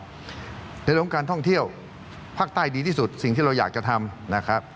ในเรื่องของการท่องเที่ยวภาคใต้ดีที่สุดสิ่งที่เราอยากจะทำนะครับ